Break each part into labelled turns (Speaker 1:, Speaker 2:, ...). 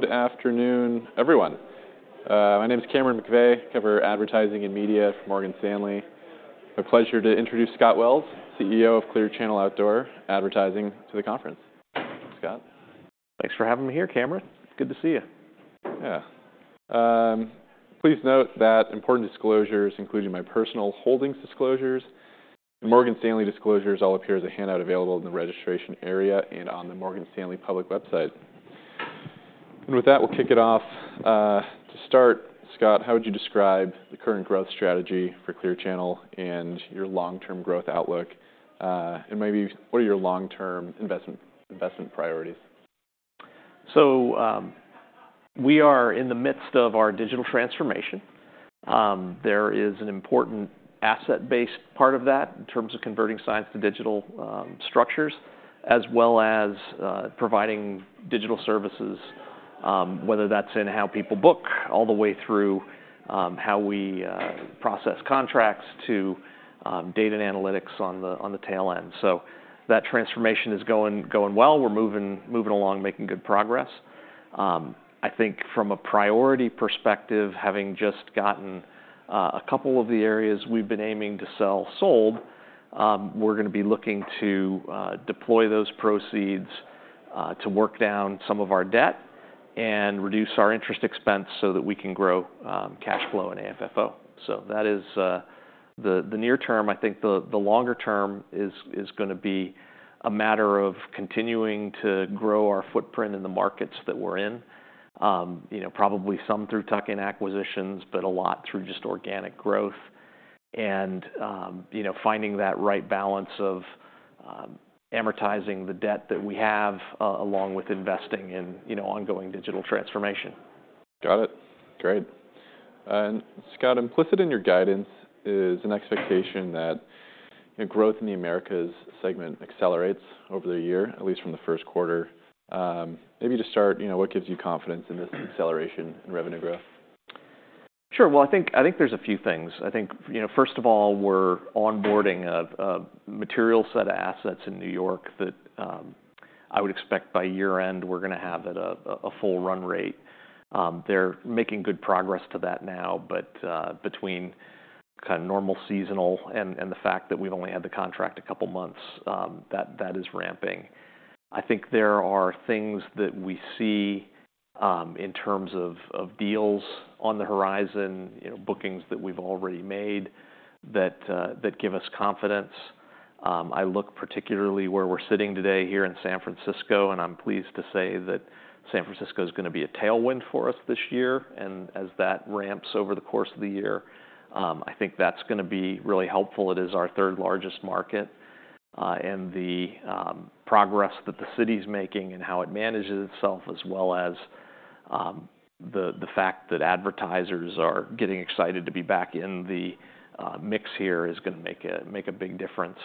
Speaker 1: Good afternoon, everyone. My name is Cameron McVeigh, head of advertising and media for Morgan Stanley. My pleasure to introduce Scott Wells, CEO of Clear Channel Outdoor, to the conference. Scott?
Speaker 2: Thanks for having me here, Cameron. It's good to see you. Yeah. Please note that important disclosures, including my personal holdings disclosures and Morgan Stanley disclosures, all appear as a handout available in the registration area and on the Morgan Stanley public website. With that, we'll kick it off. To start, Scott, how would you describe the current growth strategy for Clear Channel and your long-term growth outlook? Maybe, what are your long-term investment priorities? We are in the midst of our digital transformation. There is an important asset-based part of that in terms of converting signs to digital structures, as well as providing digital services, whether that's in how people book, all the way through how we process contracts to data and analytics on the tail end. That transformation is going well. We're moving along, making good progress. I think from a priority perspective, having just gotten a couple of the areas we've been aiming to sell sold, we're going to be looking to deploy those proceeds to work down some of our debt and reduce our interest expense so that we can grow cash flow and AFFO. That is the near term. I think the longer term is going to be a matter of continuing to grow our footprint in the markets that we're in, probably some through tuck-in acquisitions, but a lot through just organic growth and finding that right balance of amortizing the debt that we have, along with investing in ongoing digital transformation.
Speaker 1: Got it. Great. Scott, implicit in your guidance is an expectation that growth in the America's segment accelerates over the year, at least from the first quarter. Maybe to start, what gives you confidence in this acceleration in revenue growth?
Speaker 2: Sure. I think there's a few things. I think, first of all, we're onboarding a material set of assets in New York that I would expect by year-end we're going to have at a full run rate. They're making good progress to that now, but between kind of normal seasonal and the fact that we've only had the contract a couple of months, that is ramping. I think there are things that we see in terms of deals on the horizon, bookings that we've already made that give us confidence. I look particularly where we're sitting today here in San Francisco, and I'm pleased to say that San Francisco is going to be a tailwind for us this year. As that ramps over the course of the year, I think that's going to be really helpful. It is our third largest market. The progress that the city's making and how it manages itself, as well as the fact that advertisers are getting excited to be back in the mix here, is going to make a big difference.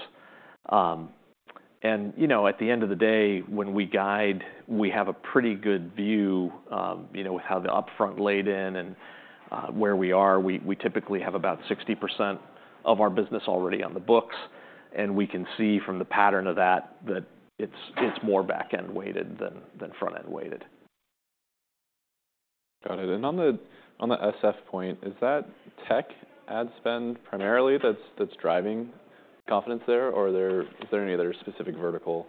Speaker 2: At the end of the day, when we guide, we have a pretty good view with how the upfront laid in and where we are. We typically have about 60% of our business already on the books. We can see from the pattern of that that it's more back-end weighted than front-end weighted.
Speaker 1: Got it. On the San Francisco point, is that tech ad spend primarily that's driving confidence there, or is there any other specific vertical?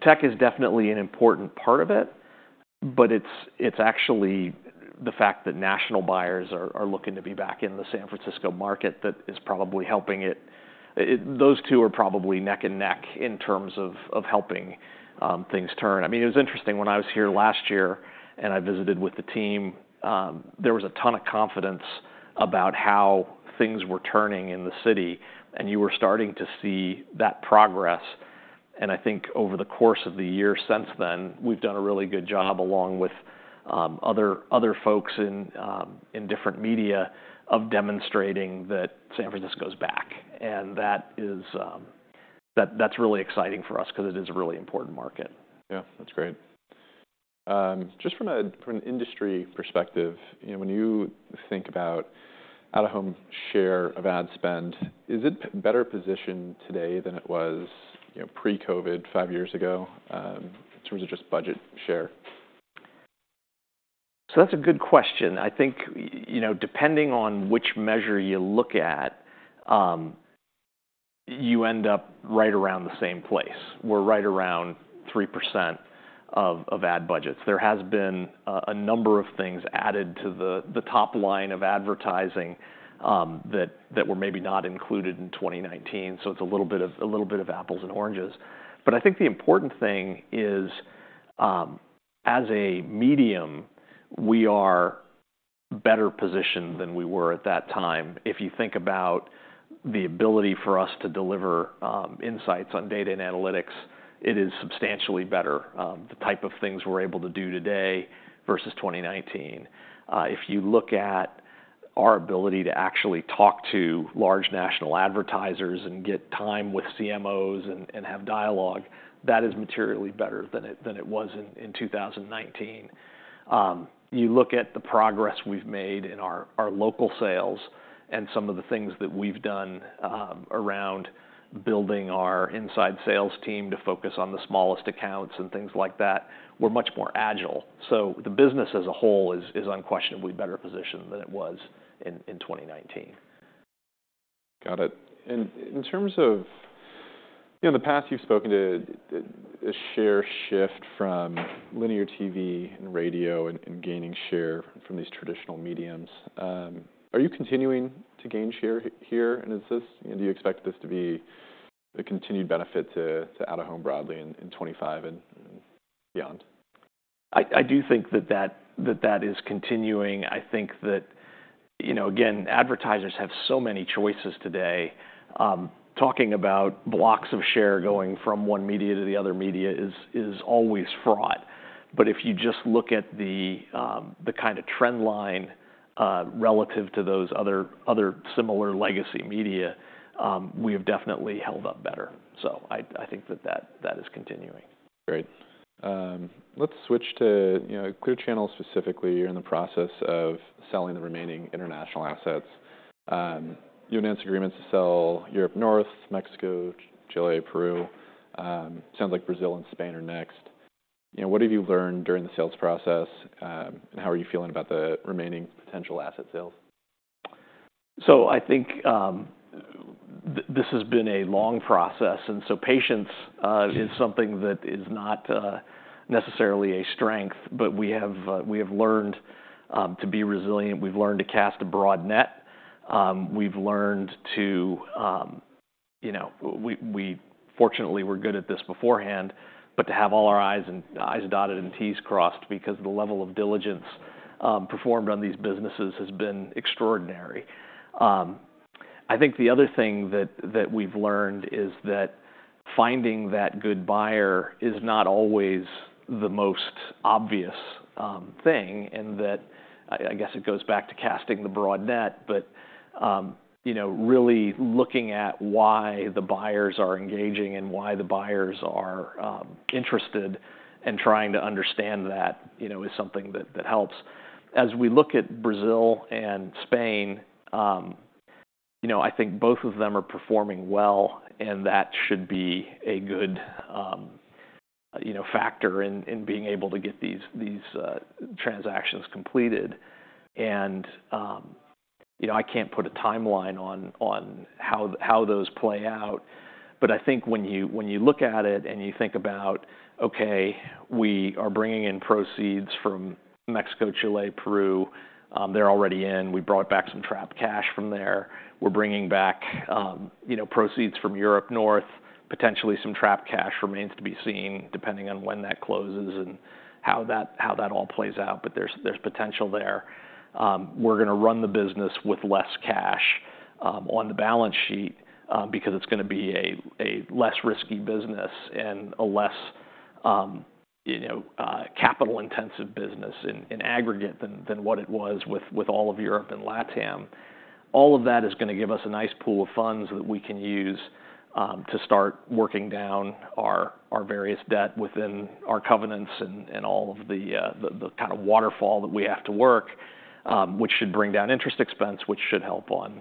Speaker 2: Tech is definitely an important part of it, but it's actually the fact that national buyers are looking to be back in the San Francisco market that is probably helping it. Those two are probably neck and neck in terms of helping things turn. I mean, it was interesting when I was here last year and I visited with the team, there was a ton of confidence about how things were turning in the city. You were starting to see that progress. I think over the course of the year since then, we've done a really good job, along with other folks in different media, of demonstrating that San Francisco's back. That's really exciting for us because it is a really important market.
Speaker 1: Yeah. That's great. Just from an industry perspective, when you think about out-of-home share of ad spend, is it better positioned today than it was pre-COVID five years ago in terms of just budget share?
Speaker 2: That's a good question. I think depending on which measure you look at, you end up right around the same place. We're right around 3% of ad budgets. There has been a number of things added to the top line of advertising that were maybe not included in 2019. It's a little bit of apples and oranges. I think the important thing is, as a medium, we are better positioned than we were at that time. If you think about the ability for us to deliver insights on data and analytics, it is substantially better, the type of things we're able to do today versus 2019. If you look at our ability to actually talk to large national advertisers and get time with CMOs and have dialogue, that is materially better than it was in 2019. You look at the progress we've made in our local sales and some of the things that we've done around building our inside sales team to focus on the smallest accounts and things like that, we're much more agile. The business as a whole is unquestionably better positioned than it was in 2019.
Speaker 1: Got it. In terms of the past, you've spoken to a share shift from linear TV and radio and gaining share from these traditional mediums. Are you continuing to gain share here? Do you expect this to be a continued benefit to out-of-home broadly in 2025 and beyond?
Speaker 2: I do think that that is continuing. I think that, again, advertisers have so many choices today. Talking about blocks of share going from one media to the other media is always fraught. If you just look at the kind of trend line relative to those other similar legacy media, we have definitely held up better. I think that that is continuing.
Speaker 1: Great. Let's switch to Clear Channel specifically. You're in the process of selling the remaining international assets. You announced agreements to sell Europe North, Mexico, Chile, Peru. It sounds like Brazil and Spain are next. What have you learned during the sales process, and how are you feeling about the remaining potential asset sales?
Speaker 2: I think this has been a long process. Patience is something that is not necessarily a strength, but we have learned to be resilient. We have learned to cast a broad net. We have learned to, fortunately, we are good at this beforehand, but to have all our i's dotted and t's crossed because the level of diligence performed on these businesses has been extraordinary. I think the other thing that we have learned is that finding that good buyer is not always the most obvious thing, and I guess it goes back to casting the broad net, but really looking at why the buyers are engaging and why the buyers are interested and trying to understand that is something that helps. As we look at Brazil and Spain, I think both of them are performing well, and that should be a good factor in being able to get these transactions completed. I can't put a timeline on how those play out, but I think when you look at it and you think about, "Okay, we are bringing in proceeds from Mexico, Chile, Peru. They're already in. We brought back some trapped cash from there. We're bringing back proceeds from Europe North. Potentially some trapped cash remains to be seen depending on when that closes and how that all plays out, but there's potential there. We're going to run the business with less cash on the balance sheet because it's going to be a less risky business and a less capital-intensive business in aggregate than what it was with all of Europe and LATAM. All of that is going to give us a nice pool of funds that we can use to start working down our various debt within our covenants and all of the kind of waterfall that we have to work, which should bring down interest expense, which should help on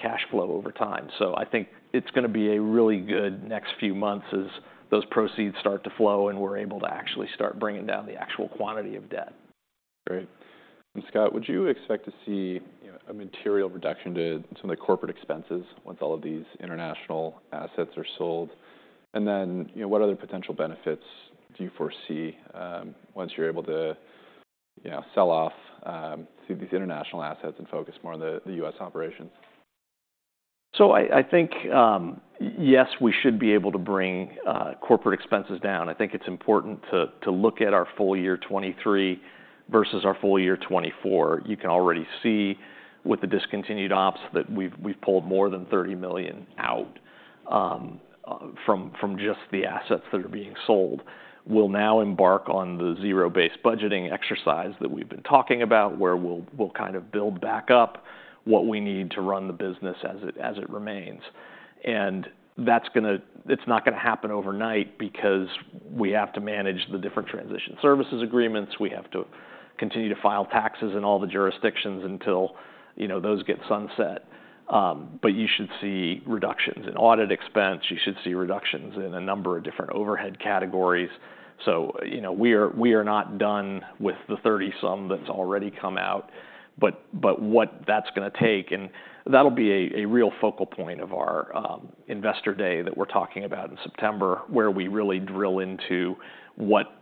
Speaker 2: cash flow over time. I think it's going to be a really good next few months as those proceeds start to flow and we're able to actually start bringing down the actual quantity of debt.
Speaker 1: Great. Scott, would you expect to see a material reduction to some of the corporate expenses once all of these international assets are sold? What other potential benefits do you foresee once you're able to sell off these international assets and focus more on the U.S. operations?
Speaker 2: I think, yes, we should be able to bring corporate expenses down. I think it's important to look at our full year 2023 versus our full year 2024. You can already see with the discontinued ops that we've pulled more than $30 million out from just the assets that are being sold. We'll now embark on the zero-based budgeting exercise that we've been talking about, where we'll kind of build back up what we need to run the business as it remains. It's not going to happen overnight because we have to manage the different transition services agreements. We have to continue to file taxes in all the jurisdictions until those get sunset. You should see reductions in audit expense. You should see reductions in a number of different overhead categories. We are not done with the 30-some that's already come out, but what that's going to take. That will be a real focal point of our investor day that we're talking about in September, where we really drill into what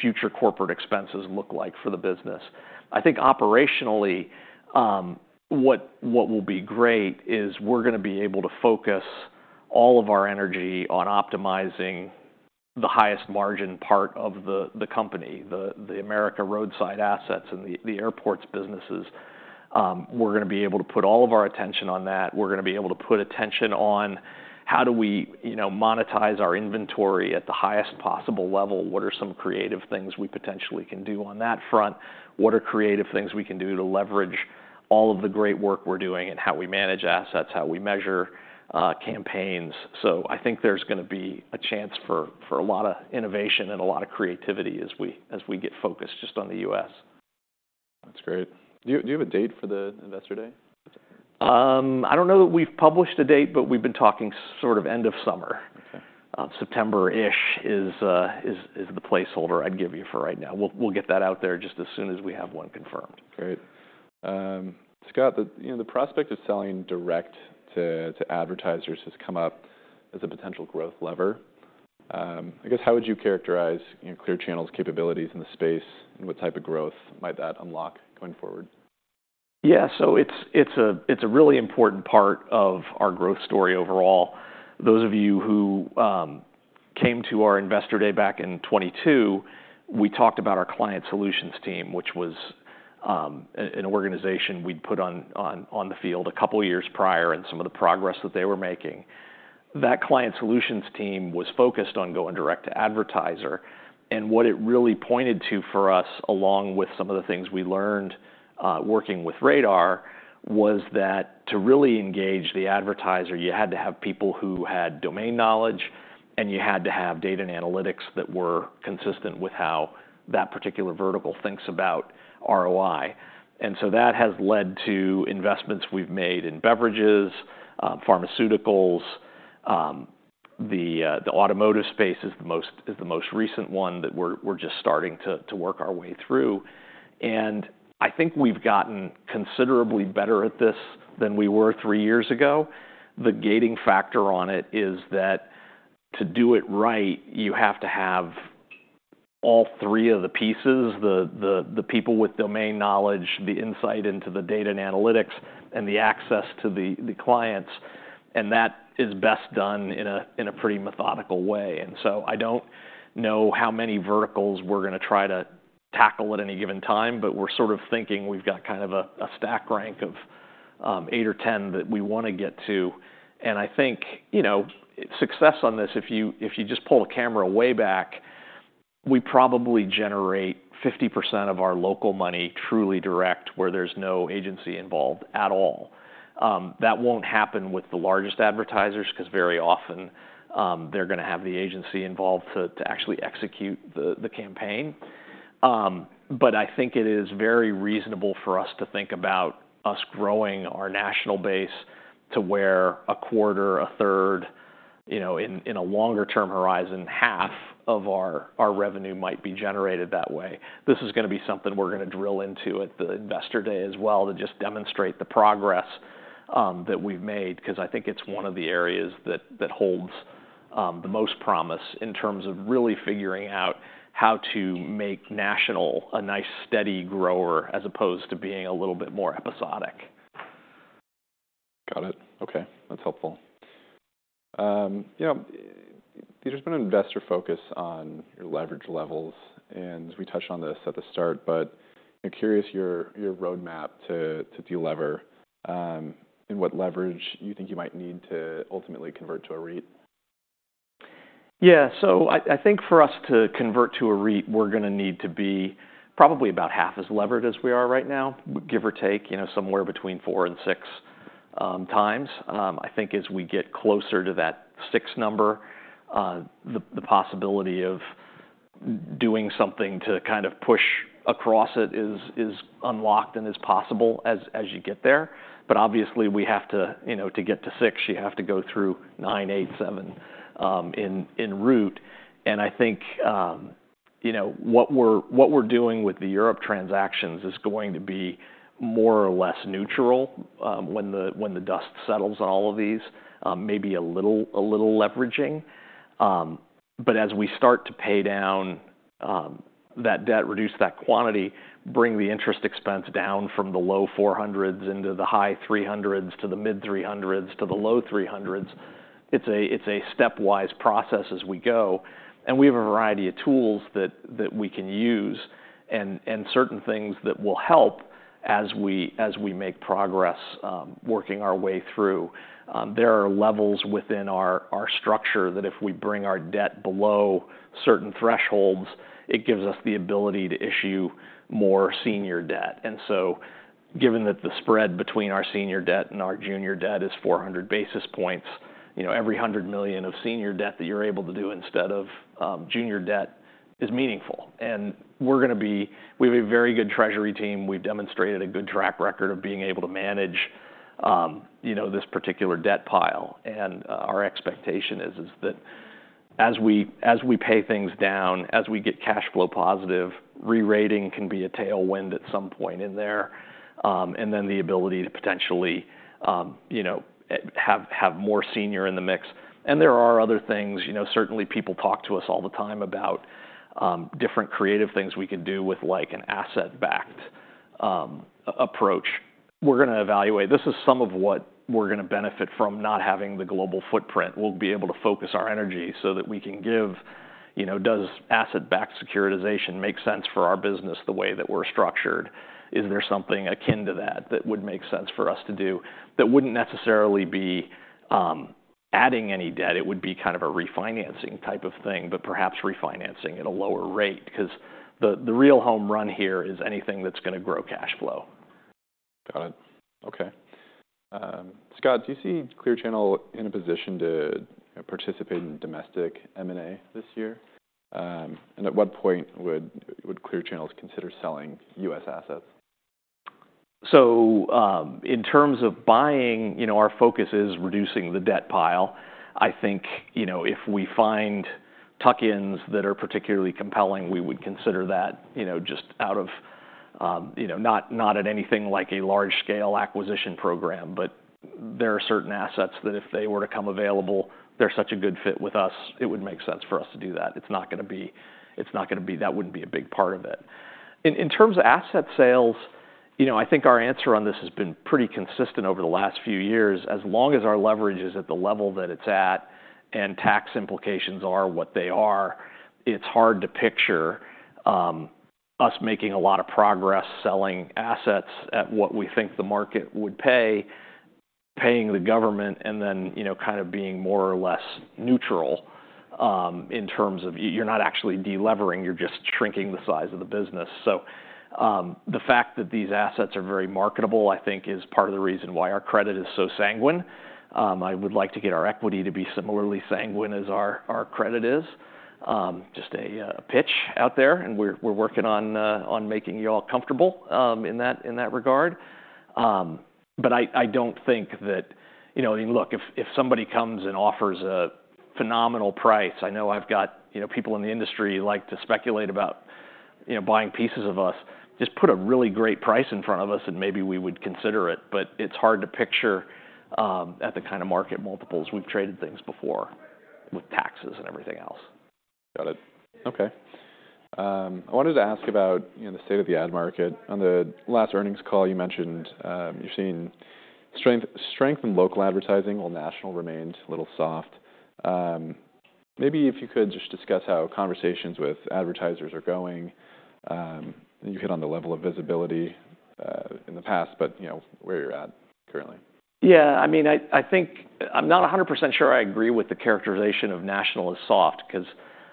Speaker 2: future corporate expenses look like for the business. I think operationally, what will be great is we're going to be able to focus all of our energy on optimizing the highest margin part of the company, the America roadside assets and the airports businesses. We're going to be able to put all of our attention on that. We're going to be able to put attention on how do we monetize our inventory at the highest possible level. What are some creative things we potentially can do on that front? What are creative things we can do to leverage all of the great work we're doing and how we manage assets, how we measure campaigns? I think there's going to be a chance for a lot of innovation and a lot of creativity as we get focused just on the U.S.
Speaker 1: That's great. Do you have a date for the investor day?
Speaker 2: I don't know that we've published a date, but we've been talking sort of end of summer. September-ish is the placeholder I'd give you for right now. We'll get that out there just as soon as we have one confirmed.
Speaker 1: Great. Scott, the prospect of selling direct to advertisers has come up as a potential growth lever. I guess, how would you characterize Clear Channel's capabilities in the space, and what type of growth might that unlock going forward?
Speaker 2: Yeah. It is a really important part of our growth story overall. Those of you who came to our investor day back in 2022, we talked about our client solutions team, which was an organization we had put on the field a couple of years prior and some of the progress that they were making. That client solutions team was focused on going direct to advertiser. What it really pointed to for us, along with some of the things we learned working with RADAR, was that to really engage the advertiser, you had to have people who had domain knowledge, and you had to have data and analytics that were consistent with how that particular vertical thinks about ROI. That has led to investments we have made in beverages, pharmaceuticals. The automotive space is the most recent one that we are just starting to work our way through. I think we've gotten considerably better at this than we were three years ago. The gating factor on it is that to do it right, you have to have all three of the pieces: the people with domain knowledge, the insight into the data and analytics, and the access to the clients. That is best done in a pretty methodical way. I don't know how many verticals we're going to try to tackle at any given time, but we're sort of thinking we've got kind of a stack rank of Eight or 10 that we want to get to. I think success on this, if you just pull the camera way back, we probably generate 50% of our local money truly direct where there's no agency involved at all. That won't happen with the largest advertisers because very often they're going to have the agency involved to actually execute the campaign. I think it is very reasonable for us to think about us growing our national base to where a quarter, a third, in a longer-term horizon, half of our revenue might be generated that way. This is going to be something we're going to drill into at the investor day as well to just demonstrate the progress that we've made because I think it's one of the areas that holds the most promise in terms of really figuring out how to make national a nice steady grower as opposed to being a little bit more episodic.
Speaker 1: Got it. Okay. That's helpful. There's been an investor focus on your leverage levels, and we touched on this at the start, but I'm curious your roadmap to de-lever and what leverage you think you might need to ultimately convert to a REIT.
Speaker 2: Yeah. I think for us to convert to a REIT, we're going to need to be probably about half as levered as we are right now, give or take somewhere between four and six times. I think as we get closer to that six number, the possibility of doing something to kind of push across it is unlocked and is possible as you get there. Obviously, to get to six, you have to go through nine, eight, seven en route. I think what we're doing with the Europe transactions is going to be more or less neutral when the dust settles on all of these, maybe a little leveraging. As we start to pay down that debt, reduce that quantity, bring the interest expense down from the low $400 million into the high $300 million to the mid $300 million to the low $300 million, it is a stepwise process as we go. We have a variety of tools that we can use and certain things that will help as we make progress working our way through. There are levels within our structure that if we bring our debt below certain thresholds, it gives us the ability to issue more senior debt. Given that the spread between our senior debt and our junior debt is 400 basis points, every $100 million of senior debt that you are able to do instead of junior debt is meaningful. We are going to be—we have a very good treasury team. We've demonstrated a good track record of being able to manage this particular debt pile. Our expectation is that as we pay things down, as we get cash flow positive, re-rating can be a tailwind at some point in there, and then the ability to potentially have more senior in the mix. There are other things. Certainly, people talk to us all the time about different creative things we can do with an asset-backed approach. We're going to evaluate. This is some of what we're going to benefit from not having the global footprint. We'll be able to focus our energy so that we can give—does asset-backed securitization make sense for our business the way that we're structured? Is there something akin to that that would make sense for us to do that wouldn't necessarily be adding any debt? It would be kind of a refinancing type of thing, but perhaps refinancing at a lower rate because the real home run here is anything that's going to grow cash flow.
Speaker 1: Got it. Okay. Scott, do you see Clear Channel in a position to participate in domestic M&A this year? At what point would Clear Channel consider selling U.S. assets?
Speaker 2: In terms of buying, our focus is reducing the debt pile. I think if we find tuck-ins that are particularly compelling, we would consider that just out of—not at anything like a large-scale acquisition program, but there are certain assets that if they were to come available, they're such a good fit with us, it would make sense for us to do that. It's not going to be—that wouldn't be a big part of it. In terms of asset sales, I think our answer on this has been pretty consistent over the last few years. As long as our leverage is at the level that it's at and tax implications are what they are, it's hard to picture us making a lot of progress selling assets at what we think the market would pay, paying the government, and then kind of being more or less neutral in terms of you're not actually de-levering, you're just shrinking the size of the business. The fact that these assets are very marketable, I think, is part of the reason why our credit is so sanguine. I would like to get our equity to be similarly sanguine as our credit is. Just a pitch out there, and we're working on making you all comfortable in that regard. I don't think that—I mean, look, if somebody comes and offers a phenomenal price, I know I've got people in the industry who like to speculate about buying pieces of us, just put a really great price in front of us and maybe we would consider it. It's hard to picture at the kind of market multiples we've traded things before with taxes and everything else.
Speaker 1: Got it. Okay. I wanted to ask about the state of the ad market. On the last earnings call, you mentioned you've seen strength in local advertising. Well, national remains a little soft. Maybe if you could just discuss how conversations with advertisers are going. You hit on the level of visibility in the past, but where you're at currently.
Speaker 2: Yeah. I mean, I think I'm not 100% sure I agree with the characterization of national as soft because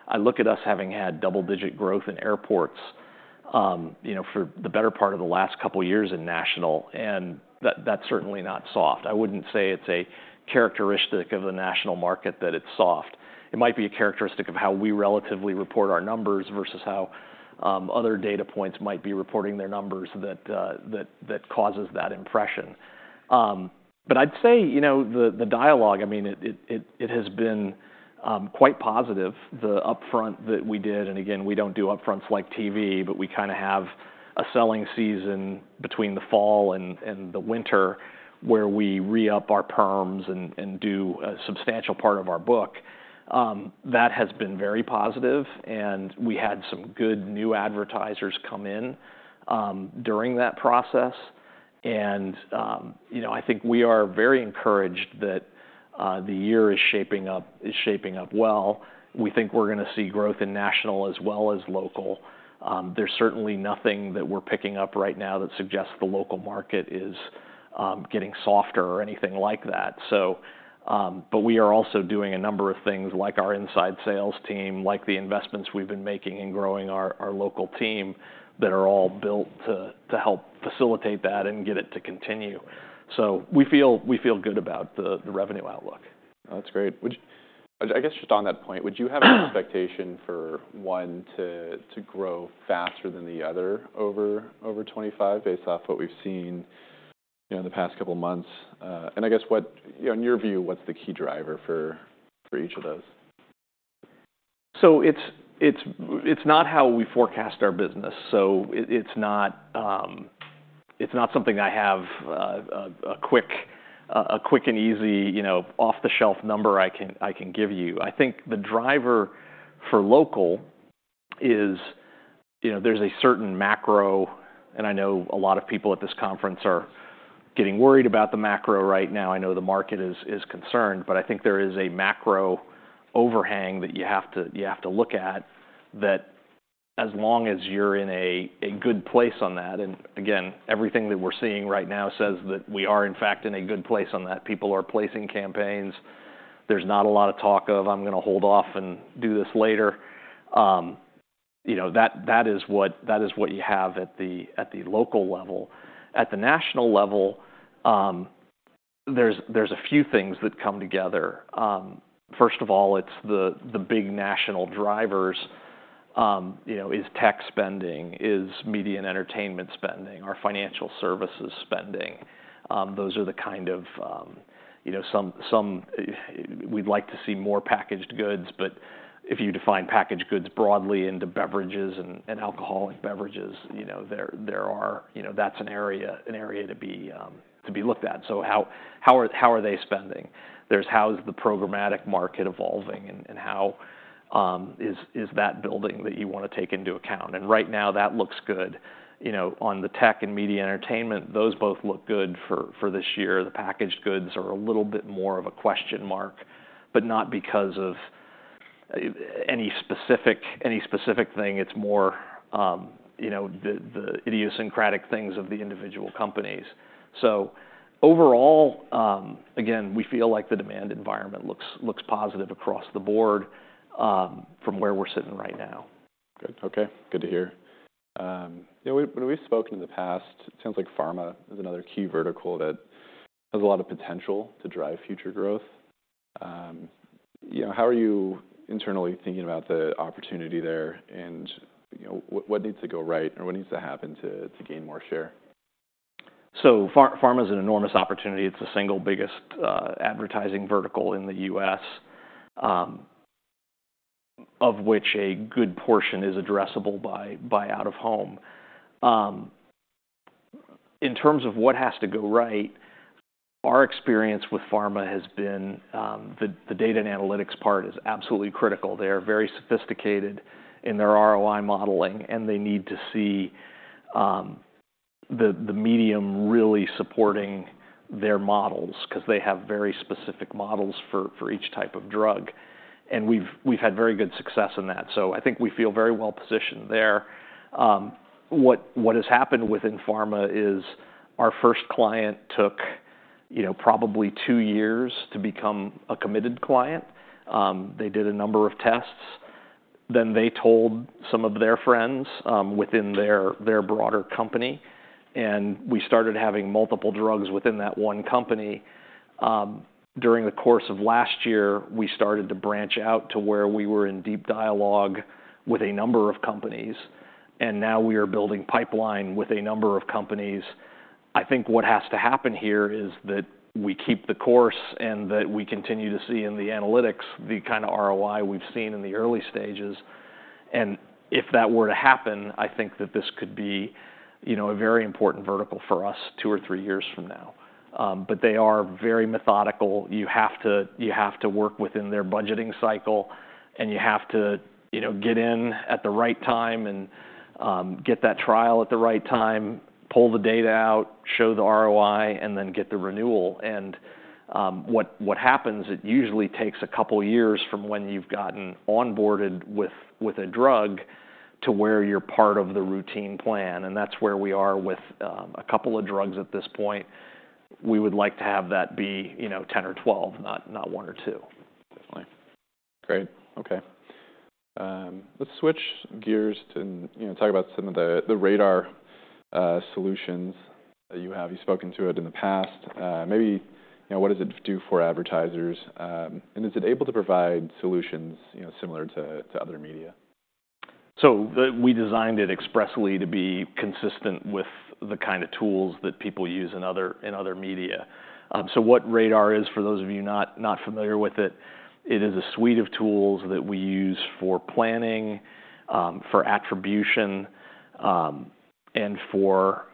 Speaker 2: I look at us having had double-digit growth in airports for the better part of the last couple of years in national, and that's certainly not soft. I wouldn't say it's a characteristic of the national market that it's soft. It might be a characteristic of how we relatively report our numbers versus how other data points might be reporting their numbers that causes that impression. I'd say the dialogue, I mean, it has been quite positive. The upfront that we did—and again, we don't do upfronts like TV, but we kind of have a selling season between the fall and the winter where we re-up our perms and do a substantial part of our book—that has been very positive. We had some good new advertisers come in during that process. I think we are very encouraged that the year is shaping up well. We think we're going to see growth in national as well as local. There is certainly nothing that we're picking up right now that suggests the local market is getting softer or anything like that. We are also doing a number of things like our inside sales team, like the investments we've been making and growing our local team that are all built to help facilitate that and get it to continue. We feel good about the revenue outlook.
Speaker 1: That's great. I guess just on that point, would you have an expectation for one to grow faster than the other over 2025 based off what we've seen in the past couple of months? I guess, in your view, what's the key driver for each of those?
Speaker 2: It is not how we forecast our business. It is not something I have a quick and easy off-the-shelf number I can give you. I think the driver for local is there is a certain macro, and I know a lot of people at this conference are getting worried about the macro right now. I know the market is concerned, but I think there is a macro overhang that you have to look at that as long as you are in a good place on that. Again, everything that we are seeing right now says that we are, in fact, in a good place on that. People are placing campaigns. There is not a lot of talk of, "I am going to hold off and do this later." That is what you have at the local level. At the national level, there are a few things that come together. First of all, it's the big national drivers: is tech spending, is media and entertainment spending, are financial services spending. Those are the kind of some we'd like to see more packaged goods, but if you define packaged goods broadly into beverages and alcoholic beverages, there are—that's an area to be looked at. How are they spending? There's how is the programmatic market evolving, and how is that building that you want to take into account? Right now, that looks good. On the tech and media entertainment, those both look good for this year. The packaged goods are a little bit more of a question mark, but not because of any specific thing. It's more the idiosyncratic things of the individual companies. Overall, again, we feel like the demand environment looks positive across the board from where we're sitting right now.
Speaker 1: Good. Okay. Good to hear. When we've spoken in the past, it sounds like pharma is another key vertical that has a lot of potential to drive future growth. How are you internally thinking about the opportunity there, and what needs to go right, or what needs to happen to gain more share?
Speaker 2: Pharma is an enormous opportunity. It is the single biggest advertising vertical in the U.S., of which a good portion is addressable by out-of-home. In terms of what has to go right, our experience with pharma has been the data and analytics part is absolutely critical. They are very sophisticated in their ROI modeling, and they need to see the medium really supporting their models because they have very specific models for each type of drug. We have had very good success in that. I think we feel very well-positioned there. What has happened within pharma is our first client took probably two years to become a committed client. They did a number of tests. They told some of their friends within their broader company, and we started having multiple drugs within that one company. During the course of last year, we started to branch out to where we were in deep dialogue with a number of companies, and now we are building pipeline with a number of companies. I think what has to happen here is that we keep the course and that we continue to see in the analytics the kind of ROI we've seen in the early stages. If that were to happen, I think that this could be a very important vertical for us two or three years from now. They are very methodical. You have to work within their budgeting cycle, and you have to get in at the right time and get that trial at the right time, pull the data out, show the ROI, and then get the renewal. It usually takes a couple of years from when you've gotten onboarded with a drug to where you're part of the routine plan. That's where we are with a couple of drugs at this point. We would like to have that be 10 or 12, not one or two.
Speaker 1: Definitely. Great. Okay. Let's switch gears to talk about some of the RADAR solutions that you have. You've spoken to it in the past. Maybe what does it do for advertisers, and is it able to provide solutions similar to other media?
Speaker 2: We designed it expressly to be consistent with the kind of tools that people use in other media. What RADAR is, for those of you not familiar with it, it is a suite of tools that we use for planning, for attribution, and for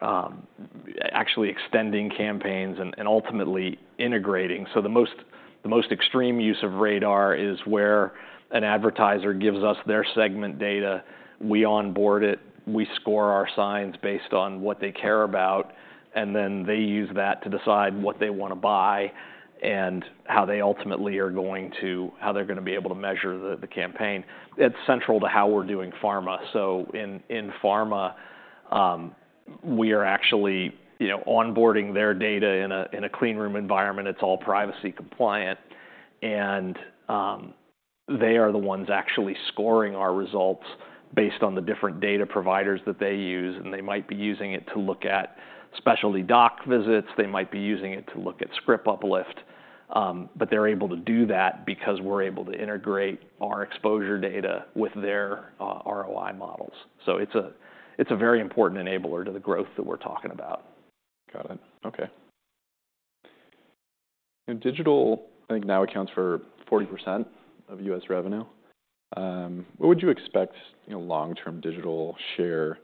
Speaker 2: actually extending campaigns and ultimately integrating. The most extreme use of RADAR is where an advertiser gives us their segment data. We onboard it. We score our signs based on what they care about, and then they use that to decide what they want to buy and how they ultimately are going to be able to measure the campaign. It is central to how we are doing pharma. In pharma, we are actually onboarding their data in a clean room environment. It's all privacy compliant, and they are the ones actually scoring our results based on the different data providers that they use. They might be using it to look at specialty doc visits. They might be using it to look at script uplift, but they're able to do that because we're able to integrate our exposure data with their ROI models. It is a very important enabler to the growth that we're talking about.
Speaker 1: Got it. Okay. Digital, I think now accounts for 40% of U.S. revenue. What would you expect long-term digital share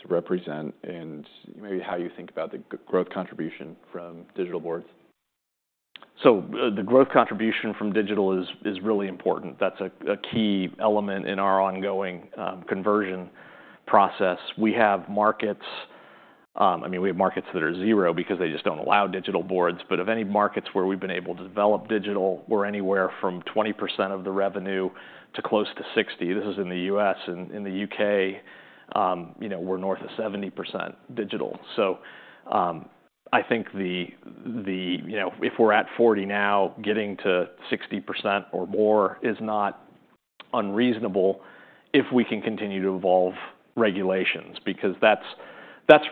Speaker 1: to represent and maybe how you think about the growth contribution from digital boards?
Speaker 2: The growth contribution from digital is really important. That's a key element in our ongoing conversion process. We have markets—I mean, we have markets that are zero because they just do not allow digital boards. Of any markets where we've been able to develop digital, we're anywhere from 20% of the revenue to close to 60%. This is in the U.S. In the U.K., we're north of 70% digital. I think if we're at 40% now, getting to 60% or more is not unreasonable if we can continue to evolve regulations because that's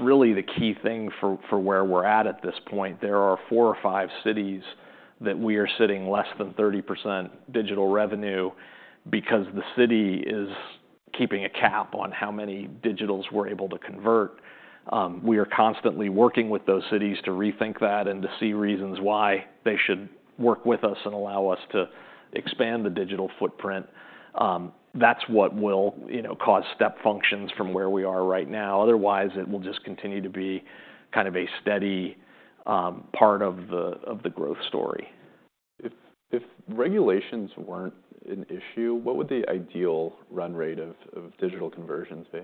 Speaker 2: really the key thing for where we're at at this point. There are four or five cities that we are sitting less than 30% digital revenue because the city is keeping a cap on how many digitals we're able to convert. We are constantly working with those cities to rethink that and to see reasons why they should work with us and allow us to expand the digital footprint. That is what will cause step functions from where we are right now. Otherwise, it will just continue to be kind of a steady part of the growth story.
Speaker 1: If regulations were not an issue, what would the ideal run rate of digital conversions be?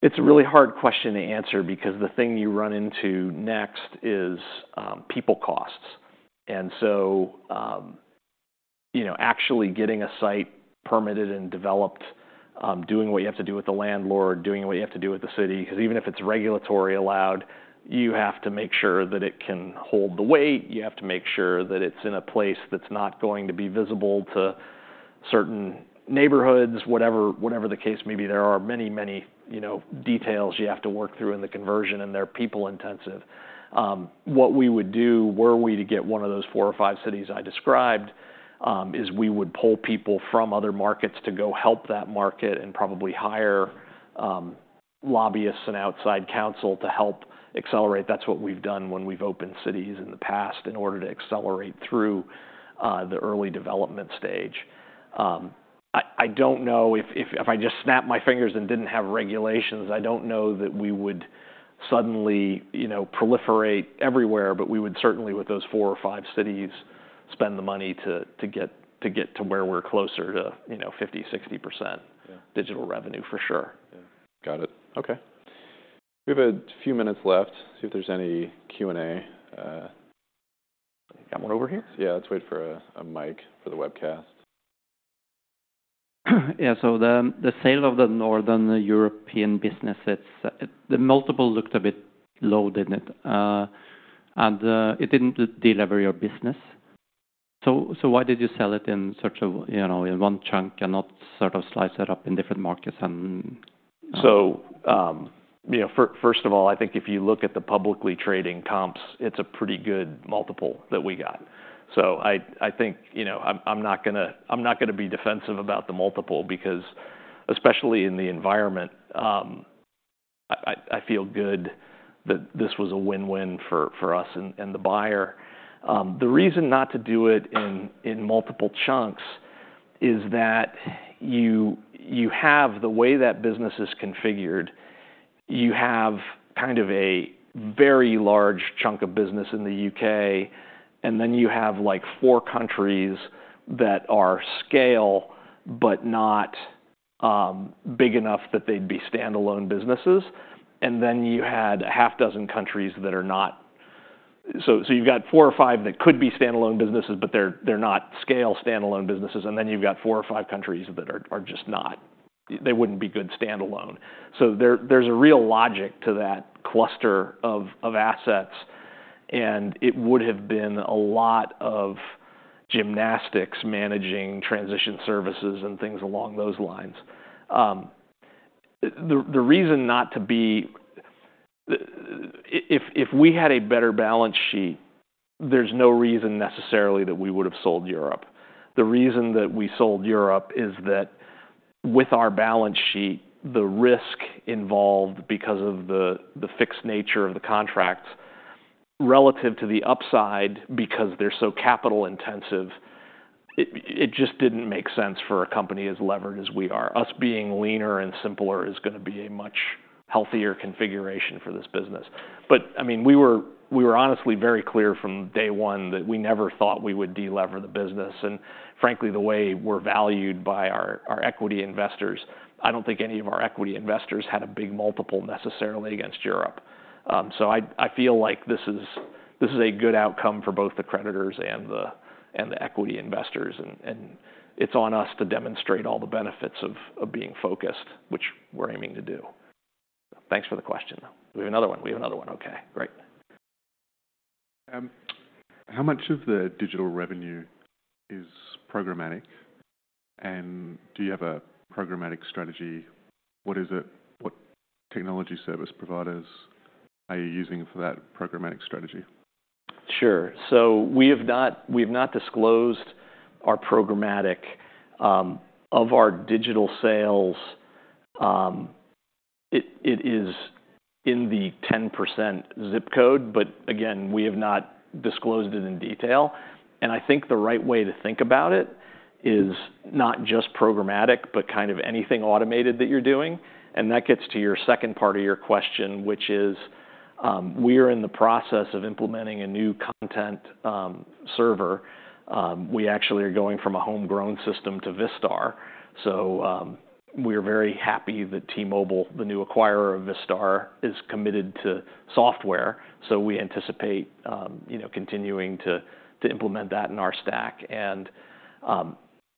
Speaker 2: It's a really hard question to answer because the thing you run into next is people costs. Actually getting a site permitted and developed, doing what you have to do with the landlord, doing what you have to do with the city because even if it's regulatory allowed, you have to make sure that it can hold the weight. You have to make sure that it's in a place that's not going to be visible to certain neighborhoods, whatever the case may be. There are many, many details you have to work through in the conversion, and they're people-intensive. What we would do were we to get one of those four or five cities I described is we would pull people from other markets to go help that market and probably hire lobbyists and outside counsel to help accelerate. That's what we've done when we've opened cities in the past in order to accelerate through the early development stage. I don't know if I just snapped my fingers and didn't have regulations. I don't know that we would suddenly proliferate everywhere, but we would certainly, with those four or five cities, spend the money to get to where we're closer to 50-60% digital revenue for sure.
Speaker 1: Got it. Okay. We have a few minutes left. See if there's any Q&A. You got one over here? Yeah. Let's wait for a mic for the webcast. Yeah. The sale of the Northern European business, the multiple looked a bit low, didn't it? It didn't deliver your business. Why did you sell it in such a one chunk and not sort of slice it up in different markets?
Speaker 2: First of all, I think if you look at the publicly trading comps, it's a pretty good multiple that we got. I think I'm not going to be defensive about the multiple because especially in the environment, I feel good that this was a win-win for us and the buyer. The reason not to do it in multiple chunks is that you have the way that business is configured. You have kind of a very large chunk of business in the U.K., and then you have four countries that are scale but not big enough that they'd be standalone businesses. Then you had a half dozen countries that are not. You have four or five that could be standalone businesses, but they're not scale standalone businesses. Then you have four or five countries that are just not. They wouldn't be good standalone. There is a real logic to that cluster of assets, and it would have been a lot of gymnastics managing transition services and things along those lines. The reason not to be if we had a better balance sheet, there is no reason necessarily that we would have sold Europe. The reason that we sold Europe is that with our balance sheet, the risk involved because of the fixed nature of the contracts relative to the upside because they are so capital intensive, it just did not make sense for a company as levered as we are. Us being leaner and simpler is going to be a much healthier configuration for this business. I mean, we were honestly very clear from day one that we never thought we would delever the business. Frankly, the way we're valued by our equity investors, I don't think any of our equity investors had a big multiple necessarily against Europe. I feel like this is a good outcome for both the creditors and the equity investors, and it's on us to demonstrate all the benefits of being focused, which we're aiming to do. Thanks for the question. We have another one. We have another one. Okay. Great.
Speaker 1: How much of the digital revenue is programmatic, and do you have a programmatic strategy? What is it? What technology service providers are you using for that programmatic strategy?
Speaker 2: Sure. We have not disclosed our programmatic. Of our digital sales, it is in the 10% zip code, but again, we have not disclosed it in detail. I think the right way to think about it is not just programmatic, but kind of anything automated that you're doing. That gets to your second part of your question, which is we are in the process of implementing a new content server. We actually are going from a homegrown system to Vistar. We are very happy that T-Mobile, the new acquirer of Vistar, is committed to software. We anticipate continuing to implement that in our stack.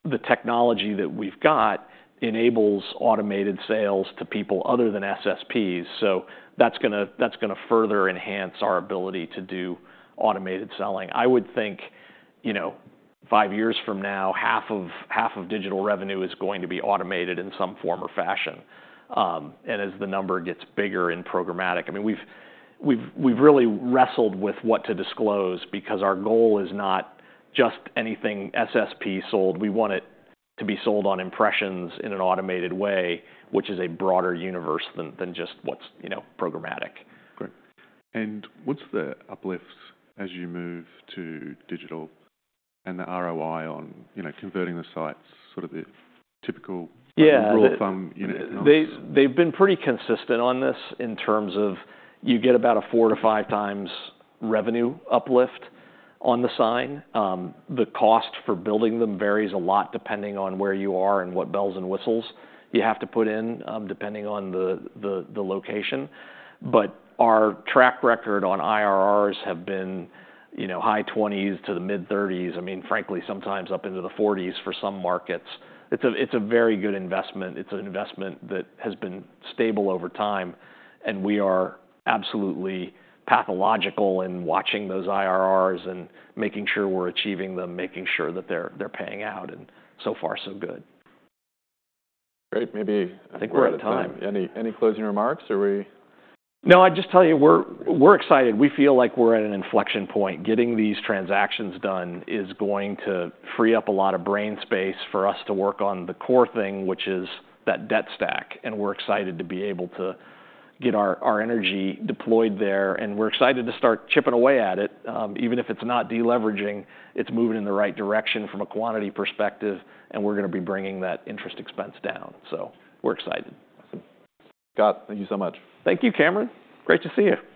Speaker 2: The technology that we've got enables automated sales to people other than SSPs. That is going to further enhance our ability to do automated selling. I would think five years from now, half of digital revenue is going to be automated in some form or fashion. As the number gets bigger in programmatic, I mean, we've really wrestled with what to disclose because our goal is not just anything SSP sold. We want it to be sold on impressions in an automated way, which is a broader universe than just what's programmatic.
Speaker 1: Great. What's the uplifts as you move to digital and the ROI on converting the sites, sort of the typical raw thumb?
Speaker 2: Yeah. They've been pretty consistent on this in terms of you get about a 4-5 times revenue uplift on the sign. The cost for building them varies a lot depending on where you are and what bells and whistles you have to put in depending on the location. Our track record on IRRs has been high 20s to the mid-30s. I mean, frankly, sometimes up into the 40s for some markets. It's a very good investment. It's an investment that has been stable over time, and we are absolutely pathological in watching those IRRs and making sure we're achieving them, making sure that they're paying out. So far, so good.
Speaker 1: Great. Maybe at the end of.
Speaker 2: I think we're at a time.
Speaker 1: Any closing remarks or we?
Speaker 2: No, I just tell you we're excited. We feel like we're at an inflection point. Getting these transactions done is going to free up a lot of brain space for us to work on the core thing, which is that debt stack. We are excited to be able to get our energy deployed there, and we're excited to start chipping away at it. Even if it's not deleveraging, it's moving in the right direction from a quantity perspective, and we're going to be bringing that interest expense down. We are excited.
Speaker 1: Awesome. Scott, thank you so much.
Speaker 2: Thank you, Cameron. Great to see you.